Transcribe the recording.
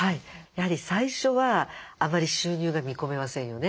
やはり最初はあまり収入が見込めませんよね。